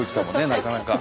なかなか。